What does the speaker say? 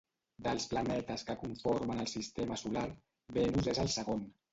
Dels planetes que conformen el sistema solar, Venus és el segon.